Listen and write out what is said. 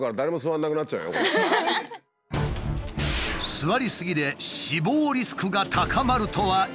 座りすぎで死亡リスクが高まるとは一体。